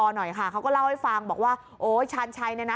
หน่อยค่ะเขาก็เล่าให้ฟังบอกว่าโอ้ยชาญชัยเนี่ยนะ